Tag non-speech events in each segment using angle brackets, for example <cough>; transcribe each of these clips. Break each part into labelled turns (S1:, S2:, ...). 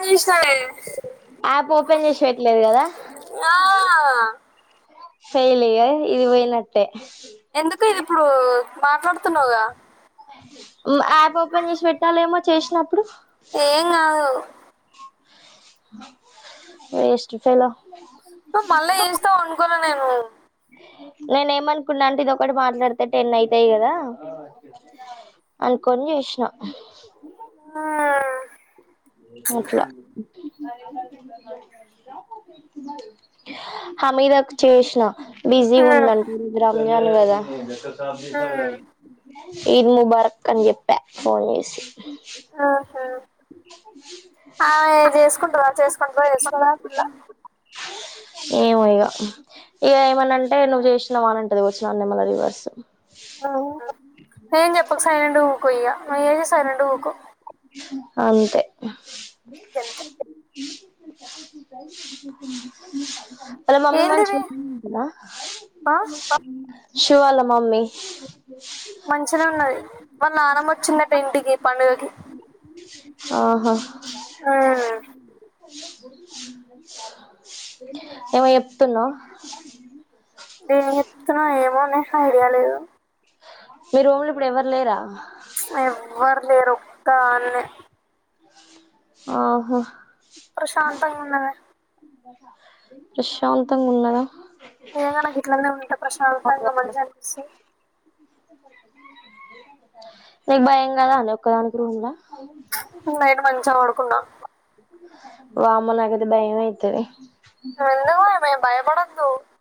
S1: మళ్ళీ సరే
S2: app open చేసి పెట్లేదు కదా
S1: ఆ
S2: ఫెయిల్ ఇగ ఇది పోయినట్టే
S1: ఎందుకు ఇది ఇప్పుడు మాట్లాడుతున్నావుగా
S2: యాప్ ఓపెన్ చేసి పెట్టాలేమో చేసినప్పుడు
S1: ఏం కాదు
S2: వేస్ట్ ఫెలో
S1: మళ్ళా చేస్తావ్ అనుకున్న నేను
S2: నేనే ఏమనుకున్నా అంటే ఇదొకటి మాట్లాడితే టెన్ అయితాయి కదా అనుకోని చేసిన
S1: ఆ
S2: అట్లా హమీద కు చేసిన బిజీ
S1: మ్మ్.
S2: ఉందనుకుంటా రమజాన్ కదా
S1: మ్మ్.
S2: ఈద్ ముబార్క్ అని చెప్పా ఫోన్ చేసి
S1: ఆహా ఆ చేసుకుంటార చేసుకుంటార చేస్కోద ఆ పిల్ల
S2: అ ఏమో ఇక ఇక ఏమన అంటే నువ్వు చేసినవా అంటాది వచ్చిన నన్నెమల రివర్స్
S1: ఏం చెప్పకు సైలెంట్గా ఉకో ఇక <unintelligible> సైలెంట్ ఉకో
S2: అంతే
S1: గంతే
S2: అలా మమ్మీ
S1: ఏందివి
S2: మంచుగుంద
S1: ఆ?
S2: శివ వాళ మమ్మీ
S1: మంచినే ఉన్నది వాళ్ళు నానమ్మ వచ్చిందట్ట ఇంటికి పండుగకి
S2: ఆహా
S1: మ్మ్.
S2: ఏేమో చెప్తున్నావ్
S1: ఏం చెతున్నా ఏమోనే ఐడియా లేదు
S2: మీ రూంలో ఇప్పుడు ఎవరు లేరా
S1: ఎవ్వరు లేరు ఒక్క దానే
S2: ఆహా
S1: ప్రశాంతంగా ఉన్నది
S2: ప్రశాంతంగా ఉన్నదా
S1: ఆయన గని నాకు ఇట్లనే ఉంటా ప్రశాంతంత మంచిగా అనిపిస్తద్
S2: నీక భయం కదా అండి ఒక్కదానికి రూమ్లా
S1: నైట్ మంచిగా పడుకున్న
S2: వామ్మో నాకయితే భయం అయితది
S1: ఎందుకు నేన భయం భయపడనః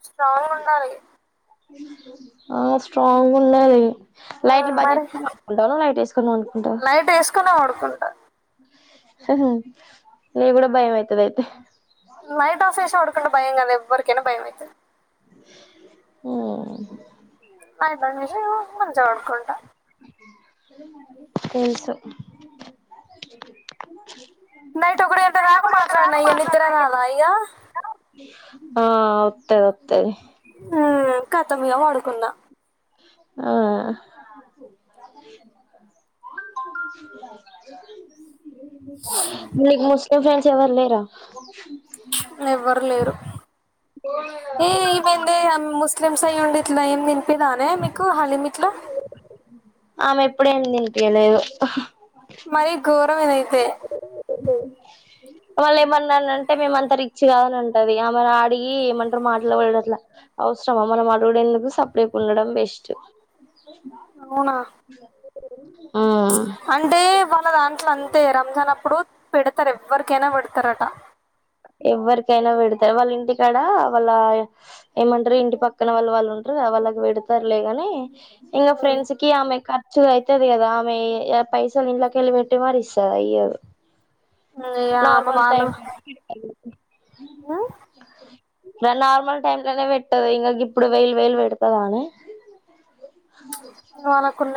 S1: స్ట్రోంగ్ ఉండాలి
S2: ఆ స్ట్రోంగ్ ఉండాలి లైట్లు
S1: మరి
S2: బ్యాంజెస్కొనీ పడుకుంటావా లైట్ వేసుకుని పడుకుంటావా
S1: లైట్ వేసుకునే పడుకుంటా
S2: హ్మ హ్మ నికి కూడా భయమయితది అయితే
S1: నైట్ ఆఫ్ చేసి పడుకుంటే భయం కదా ఎవ్వరికైనా భయం అయితది
S2: హ్మ
S1: లైట్లు అన్ని వేసి మంచిగ పడుకుంట
S2: తెలుసు
S1: నైట్ ఒకటి గంట దాకా మాట్లాడినా నిద్రరాధ ఇగ
S2: ఆ ఒత్తది ఒత్తది
S1: ఆ ఖతం ఇగ పడుకున్న
S2: ఆ అ నీకు ముస్లిం ఫ్రెండ్స్ ఎవరు లేర
S1: ఎవ్వరు లేరు ఏ ఇ ముందీ కదా ముస్ల స్లిమ్స్ అయ్యండి ఇట్లా ఏమి తినిపిదానే మీకు హలీమిట్లా
S2: ఆమె ఎప్పుడేం తినిపిలేదు
S1: మరి ఘోరం ఏదైతే
S2: మళ్ళ ఏమన్నానంటే మేమ అంత రిచ్చి కాదని ఉంటది ఆమెని అడిగి ఏమంటారు మాటలు వాడ అట్లా అవసరమా మనం అడగుడ ఎందుకు సప్లై ప ఉండడం బెస్ట్
S1: అవునా
S2: ఓ
S1: అంటే వాళ్ళ దాంట్లో అంతే రంజాన్ అప్పుడు పెడ త ఎవరికేనా పెడుతారటా
S2: ఎవ్వరికైనా పెడతారు వాళ్ళ ఇంటికాడ వాళ్ళ ఏమంటారు ఇంటి పక్కన వాళ్ళ వాళ్ళు ఉంటారు అలా పెడతారులేగాని ఇంకా ఫ్రెండ్స్ కి ఆమె చూ అయితది కదా ఆమె పైసా నింలకళపెట్టి మరిస్తద అయ్యదు
S1: ఇగ ఆమె
S2: నార్మల్ టై
S1: వాళ్ళు
S2: నార్మల్ టైమ్ లోనే పెట్టది ఇంకాక ఇప్పుడు వెయిల్ వయల్ పెడతద అని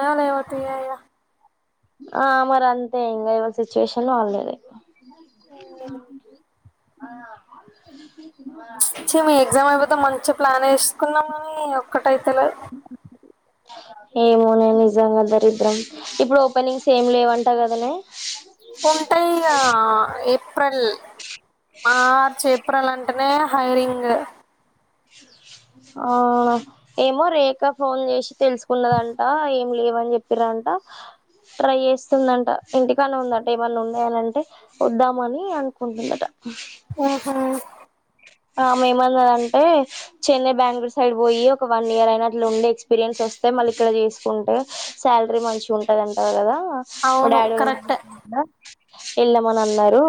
S2: బ
S1: అత్త
S2: ఆ మరి అంతే ఇంకా ఇవా సిచ్యుయేషన్ వాల్ద
S1: అ
S2: ఆ
S1: చ్చి మీ ఎగ్జామ్ అయిపోతే మంచి ప్లాన్ ఏసుకునం అని ఒక్కటైతేలే
S2: ఏమోనే నిజంగ దరిద్రం ఇప్పుడు ఓపనింగ్స్ ఏమ్ లేవంట కదనే
S1: ఉంటాయి గా ఏప్రిల్ మార్చ్ ఏ ఏప్రిలంటనే హైరింగ్
S2: ఆ ఏమో రేఖ ఫోన్ చేసి తెలుసుకున్నదంట ఏం లేవని చెప్పిరంట ట్రై చేస్తుందంట ఇంటికానే ఉందట ఏమన్నా ఉండేయాలంటే వద్దామని అనుకుంటుందట
S1: ఆహా
S2: ఆమె ఏమనదంటే చెన్నై బెంగళూరు సైడ్ పోయి ఒక వన్ ఇయర్ అయిన అట్ల ఉండి ఎక్స్పీరియన్స్ వస్తే మళ్ళీ ఇక్కడ చేసుకుంటే శాలరీ మంచి ఉంటదంటా కదా హా మా
S1: అవును
S2: డాడ్
S1: కరెక్టే
S2: ఎళ్దామని అన్నారు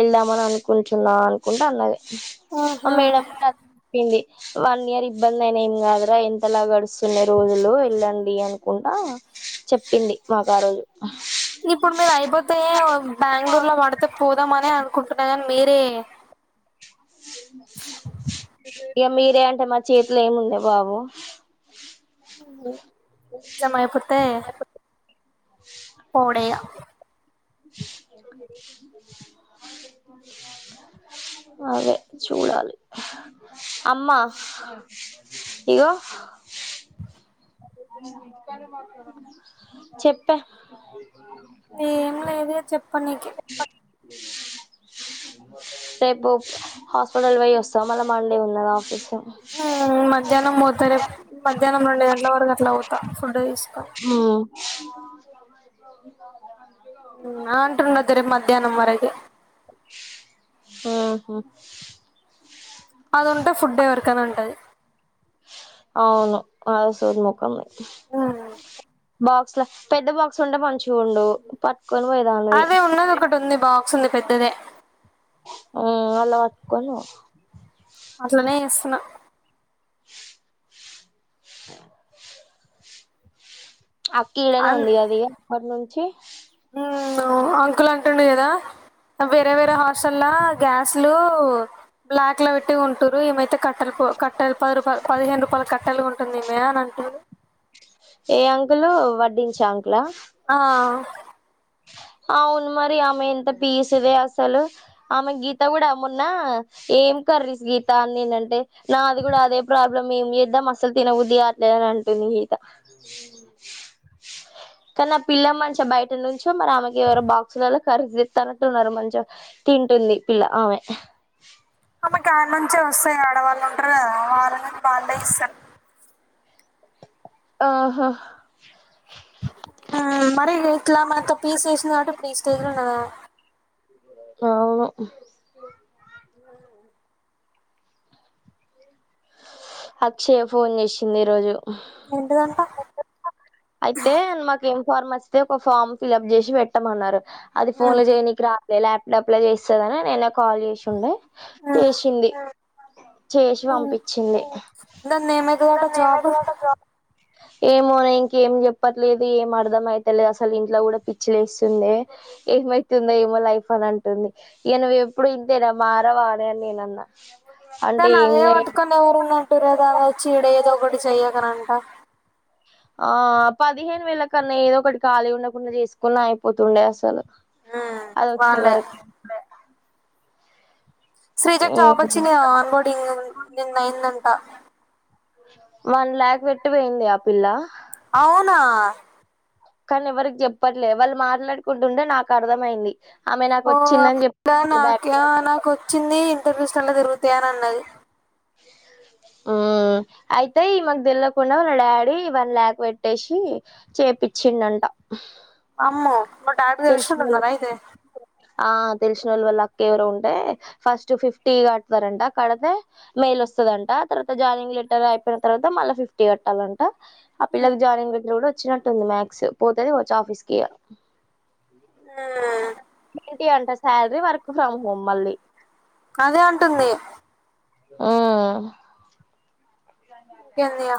S2: ఎళ్దామని అనుకుంటున్నా అనుకుంటే అన్నది ఆ మేడం నాక్ చెప్పంది వన్ ఇయర్ ఇబ్బంది అయిన ఏం కాదురా ఎంతలా గడుస్తున్నా రోజులు వెళ్ళండి అనుకుంటా చెప్పింది మాకు ఆ రోజు
S1: ఇప్పుడు మీరు అయిపోతే బెంగళూరు లో పడితే పోదాంమని అనుకుంటున్నా మేరే
S2: ఇక మీరే అంటే మా చేతిలో ఏముంది బాబు
S1: ఎగ్జామ్ అయిపోతే పోవుడే ఇగ
S2: అదే చూడాలి అమ్మా ఇగో చెప్పా
S1: ఏం లేదు ఇగ చెప్పనీకి
S2: రేపు హాస్పిటల్ పోయి వస్తా మళ్ మండే ఉన్నదా ఆఫీస్
S1: మధ్యాహ్నం పోవుతా రేపు మధ్యాహ్నం రెండు గంటల వరకు అట్లా అవుతా ఫుడ్ తీసుకో
S2: ఊ
S1: <unintelligible> మధ్యాహ్నం మరి అయితే
S2: ఊహు
S1: క్కనే ఉంటది
S2: అవును ఆహ్ సోది ముఖమ్ దే బాక్స్ల పెద్ద బాక్స్ ఉంటే మంచిగ ఉండు ప
S1: అదే ఉన్నది ఒకటి ఉంది బాక్స్ ఉంది పెద్దదే
S2: ఆ అలా వట్కును పో
S1: అట్లనే ఇస్తున్నా
S2: అక్క ఇడనే
S1: అన్
S2: ఉంది ఇగ అది అక్కడి నుంచి
S1: ఉమ్, అంకుల్ అంటుండు కదా వేరే వేరే హార్సలా గ్యాస్ లు బ్లాక్ లో పెట్టి కొంటుంరూ ఏమైతే క కట్టలుకు కట్ట పది రూపాయలు పదిహేను రూపాయలు కట్టెలు గొంటుందిమే అని అంటూ
S2: ఏ అంకులు వడ్డించా అంకులా
S1: ఆహ
S2: అవును మరి ఆమె ఎంత పీస్దే అసలు ఆమె గీత కూడా మన్నా ఏం కర్రీస్ గీత అనిందంటే నాది కూడా అదే ప్రాబ్లం ఏమి చేద్దమసలు తిన బుద్ధికావట్లేదు అని అంటుంది. కానీ ఆ పిల్ల మంచి బయట నుంచో మరి అమెక్ ఎవరు బాక్సులలా కరిసిదిస్తానట్టున్నారు. మంచిగా తింటుంది పిల్ల ఆమె.
S1: ఆమెకు కానుంచే వస్తాయ ఆడవాళ్ళు ఉంటరు వాళ్ళ వాళ్ళదే ఇస్తరు
S2: ఆహా
S1: మరి ఇట్లా మనతో పీసెస్ అట తీసుకెళ్ళన
S2: అవును
S1: ఉనా
S2: అక్షయ ఫోన్ చేసింది ఈ రోజు
S1: ఎంటిదంటా
S2: అయితే మాకు ఏం ఫార్మ్ స్ వచ్చితే ఒక ఫామ్ ఫిల్ప్ చేసి పెట్టమన్నారు అది ఫోన్ లో చేయడానికి రా ల్యాప్టాప్ లా చేస్తదని నిన్న కాల్ చేసిండే
S1: మ్మ్.
S2: చేసింది. చేసి పంపించ్చింది
S1: దాన్ని
S2: ద
S1: ఏమైతుందట
S2: ఏమై
S1: జాబ్
S2: జబ్ ఏమో ప్రాంక్ ఏం చెప్పట్లేదు. ఏం అర్ధం అయితేలేదు. అసలు ఇంట్లో కూడా పిచ్చిలేస్తుంది. ఏమైతుందో ఏం లైఫ్ అని అంటుంది ఈయ నువ్వు ఎప్పుడు ఇంతేనా మారవా అని నేన అన్నా అంటే
S1: కాని
S2: ఏం
S1: అదే
S2: చేయలే
S1: పట్టుకొని ఎవరు ఉన్నంటర దానిచ్చీడ ఏదో ఒకటి చెయకనంట
S2: ఆ పదిహేను వేల కన్నా ఏదో ఒకటి ఖాళీ ఉండకుండా చేసుకున్నా అయిపోతుండే అసలు అద
S1: వాళ్ళే
S2: వచ్చేవరకు ఉండే
S1: శ్రీజకు జాబ్ వచ్చిందిగ ఆన్ బోర్డింగ్ నిన్న అయిందంట
S2: వన్ లాక్ పెట్టి పోయింది ఆ పిల్ల
S1: అవునా
S2: కానీ ఎవరికి చెప్పట్లే వాళ్ళు మాట్లాడుకుంటుంటే నాకు అర్థమైంది.
S1: ఓ అప్పుడా నాక్యా నాకు వచ్చింది. ఇంటర్వ్యూస్లా జరుగుతాయ అని అన్నది.
S2: అ ఆ అయితే ఈమెకు తెల్వకుండా వాళ్ళ డాడీ వన్ ల్యాక్ పెట్టేసి చె పిచ్చిన్నంట
S1: అమ్మో మా డాడీ తెలిసి ఉంటున్నార అయితే
S2: ఆ తెలిసిన వాళ్ళు వాళ్ళ అక్క ఎవరో ఉంటే ఫస్ట్ ఫిఫ్టీ కట్తారంట కడితే మెయిల్ వస్ వస్తుదంటా. తర్వాత జానింగ్ లెటర్ అయిపోయిన తర్వాత మళ్ళా ఫిఫ్టీ కట్టాలంటా. ఆ పిల్లకి జాయినింగ్ పెట్ కూడా వచ్చినట్టు ఉంది. మ్యాథ్స్ పోతది వచ్చ ఆఫీస్కి ఏంటి అంట శాలరీ వర్క్ ఫ్రమ్ హోమ్ మళ్ళీ
S1: అదే అంటుంది
S2: ఆ
S1: ఇంకేందిగ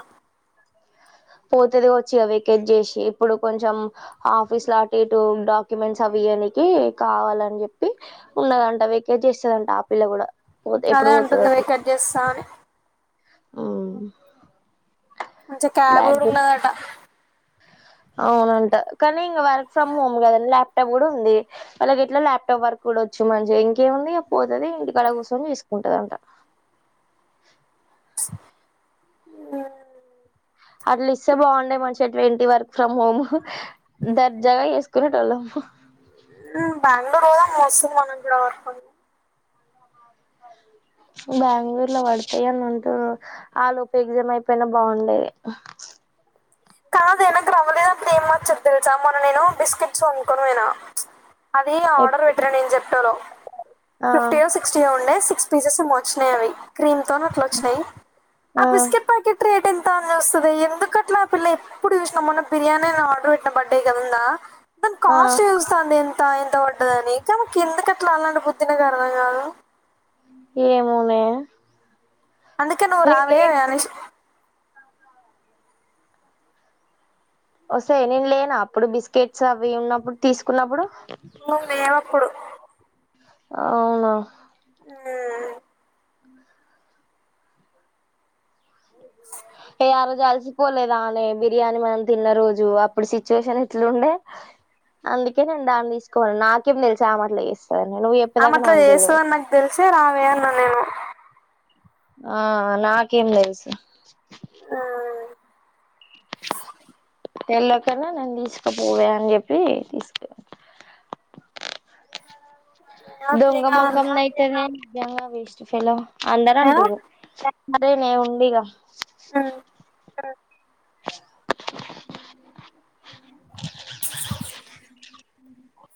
S2: పోతేది వచ్చి వెకేట్ జేసి ఇప్పుడు కొంచెం ఆఫీస్ లా అటు ఇటు డాక్యుమెంట్స్ అవి దయనికి కావాలని చెప్పి ఉన్నదంట వెకేట్ చేస్తదంట ఆ పిల్ల కూడా పోతే
S1: అదే
S2: ఎప్పుడు
S1: అంటుంది
S2: పోతదన్
S1: పోయి కట్ చేస్తా అని
S2: అవును
S1: మంచిగ కారు కూడా ఉన్నదటా
S2: అవునంట కానీ ఇంకా వర్క్ ఫ్రమ్ హోమ్ కద ల్యాప్టాప్ కూడా ఉంది వాలకెట్లా ల్యాప్టాప్ వర్క్ కూడా వచ్చు మంచిగా ఇంకేముంది పోతది ఇంటికాడ కూసొని చేసుకుంటది అంట
S1: మ్
S2: అట్లిస్తే బాగుండే మంచిగ ట్వంటీ వర్క్ ఫ్రమ్ హోమ్ దర్జాగా చేసు <unintelligible>
S1: బాంగుళూరూ వస్తుందీ మనం కూడా వర్క్
S2: బాంగుళూరు లో పడతాయి అని అంటురు ఆలోపు ఎగ్జామ్ అయిపోయిన బాగుండేది
S1: కాదే నాకు <unintelligible> ఏం వచ్చేది తెలుసా మోన నేను బిస్కెట్స్ కొనుకోని పోయినా అది ఆర్డర్ పెట్టరా నేన్ జెప్టోలో
S2: ఆ
S1: ఫిఫ్టీయో సిక్స్టీయో ఉండే సి పీసెస్ ఏమో వచ్చినయ్ అవి క్రీమ్ తోని అట్లోచ్చినాయ్ ఆ బిస్కెట్ ప్యాకెట్ రేట్ ఎం తా అని చూస్తది ఎందుకట్లా ఆపిల్ల ఎప్పుడు చూసినా మొన్న బిర్యానీని ఆర్డర్ పెట్టిన బర్త్డే కదుందా దాని
S2: ఆ
S1: కాస్ట్ చూస్తాంది అంట ఎంత పడ్డదని తనకెందు కట్లా అల్లాంటి బుద్ధి నాకర్థం కాదు
S2: ఏమోనే
S1: అందుకే నువు
S2: నేను లే
S1: రావే అనేసి
S2: ఒసేయ్ నేను లేనా అప్పుడు బిస్కెట్స్ అవి ఉన్నప్పుడు తీసుకున్నప్పుడు
S1: నువ్వు లేేవప్పుడు
S2: అవునా
S1: మ్మ్
S2: ఏ ఆ రోజు కలిసిపోలేదానే బిర్యాని మనం తిన్న రోజు అప్పుడు సిచ్యువేషన్ ఎట్లుండే అందుకే నేను దాన్ని తీసుకోపోయిన నాకేమి తెలిసు ఆమె అట్ల చేస్త
S1: ఆమట్ల చేస్తది అని నాకు తెలిసే రావే అన్నా నేను
S2: ఆ నాకేం తెలుసు
S1: హ్మ్
S2: తెళకన్నా నన్ను తీసుకపోవే అని చెప్పి తీసుకో
S1: ఏమో
S2: దొంగ
S1: తీయగలను.
S2: మోఖందైతేనే నిజంగా వేస్ట్ ఫెలో అందర
S1: ఏ?
S2: అంటూరు సరేనే ఉండు ఇగ
S1: హ్మ్
S2: సరే మ్